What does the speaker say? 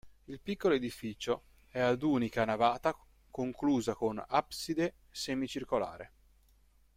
Il piccolo edificio è ad unica navata conclusa con abside semicircolare.